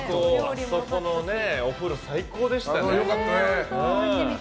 あそこの、お風呂最高でしたね。